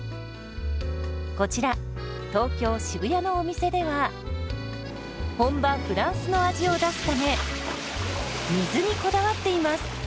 こちら東京・渋谷のお店では本場フランスの味を出すため水にこだわっています。